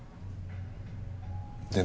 でも。